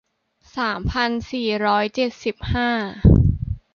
สามพันสี่ร้อยเจ็ดสิบห้า